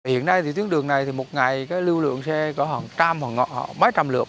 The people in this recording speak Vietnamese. hiện nay thì tuyến đường này thì một ngày cái lưu lượng xe có khoảng mấy trăm lượt